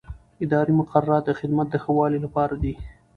اداري مقررات د خدمت د ښه والي لپاره دي.